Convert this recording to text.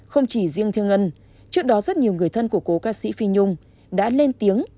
không chỉ riêng thiên ngân trước đó rất nhiều người thân của cô ca sĩ phi nhung đã lên tiếng